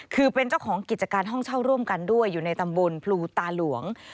คือเป็นเจ้าของกิจการห้องเช่าร่วมกันด้วยอยู่ในตำบลพลูตาหลวง